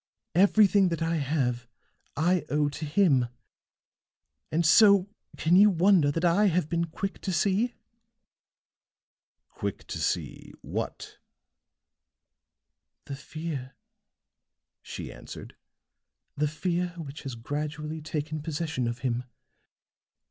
Everything that I have I owe to him. And so can you wonder that I have been quick to see?" "Quick to see what?" "The fear," she answered, "the fear which has gradually taken possession of him.